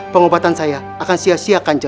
pengobatan saya akan sia siakannya